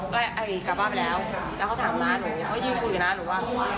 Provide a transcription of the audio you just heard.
ก็ไอ้กลับบ้านไปแล้วแล้วเขาถามน้าหนูเขายืนคุยกับน้าหนูว่า